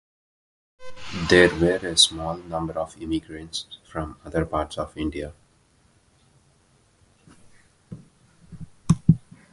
There were a small number of immigrants from other parts of India.